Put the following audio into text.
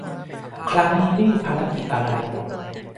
ครั้งนี้ไม่มีภารกิจอะไร